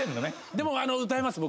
でも歌えます僕。